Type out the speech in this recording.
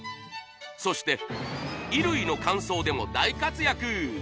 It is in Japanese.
そして衣類の乾燥でも大活躍